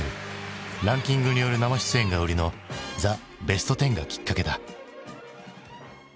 ランキングによる生出演が売りの「ザ・ベストテン」がきっかけだ。